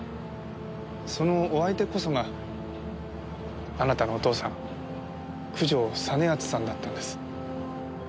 そのお相手こそがあなたのお父さん九条実篤さんだったんです。